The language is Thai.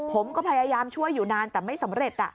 ผมก็พยายามช่วยอยู่นานแต่ไม่สำเร็จ